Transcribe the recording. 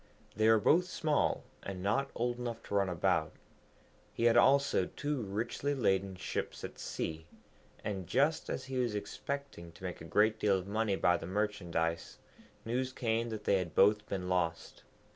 They were both small, and not old enough to run about. He had also two richly laden ships at sea, and just as he was expecting to make a great deal of money by the merchandise, news came that they had both been lost.